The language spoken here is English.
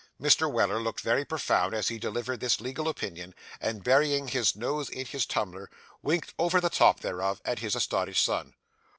Mr. Weller looked very profound as he delivered this legal opinion; and burying his nose in his tumbler, winked over the top thereof, at his astonished son.